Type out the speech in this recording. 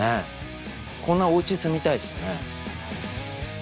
こんなおうち住みたいですよね。